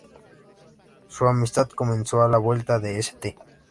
Su amistad comenzó a la vuelta de St.